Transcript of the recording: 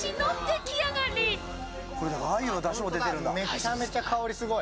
めちゃくちゃ香りがすごい。